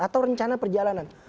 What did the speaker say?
atau rencana perjalanan